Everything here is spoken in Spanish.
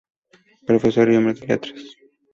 Profesor y hombre de Letras.